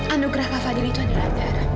anugerah kak fadil itu adalah ajaran